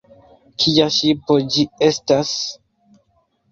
Kia ŝipo ĝi estas?